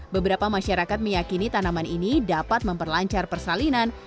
beberapa masyarakat meyakini tanaman ini dapat memperlancar persalinan